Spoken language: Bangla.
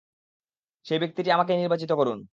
সেই ব্যক্তিটি আমাকেই নির্বাচিত করুন।